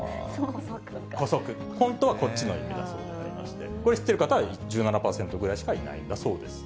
こそく、本当はこっちの意味だそうでして、これ、知ってる方は１７％くらいしかいないんだそうです。